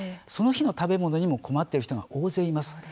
その日の食べるものにも困っている人がたくさんいます。